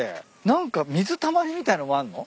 何か水たまりみたいのもあんの？